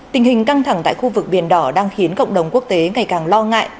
tình hình căng thẳng tại khu vực biển đỏ đang khiến cộng đồng quốc tế ngày càng lo ngại